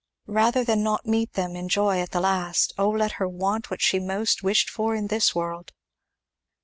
Rather than not meet them in joy at the last, oh let her want what she most wished for in this world.